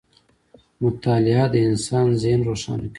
• مطالعه د انسان ذهن روښانه کوي.